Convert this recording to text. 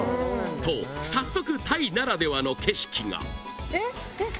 と早速タイならではの景色が！